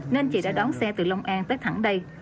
nên chị đã đón xe từ long an tới thẳng đây